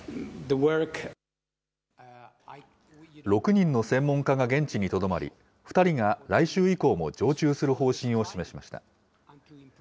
６人の専門家が現地にとどまり、２人が来週以降も常駐する方針を示しました。